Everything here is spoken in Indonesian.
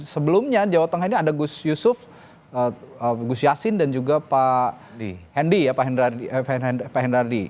sebelumnya jawa tengah ini ada gus yusuf gus yassin dan juga pak hendi ya pak hendardi